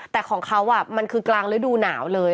แต่ของเขามันคือกลางฤดูหนาวเลย